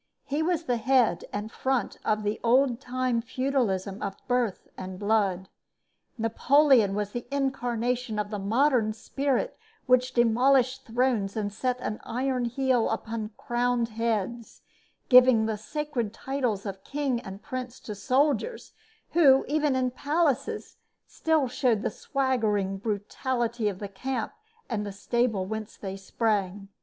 He was the head and front of the old time feudalism of birth and blood; Napoleon was the incarnation of the modern spirit which demolished thrones and set an iron heel upon crowned heads, giving the sacred titles of king and prince to soldiers who, even in palaces, still showed the swaggering brutality of the camp and the stable whence they sprang.